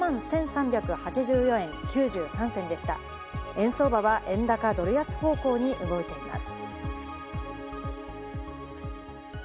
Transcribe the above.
円相場は円高・ドル安方向に動いています。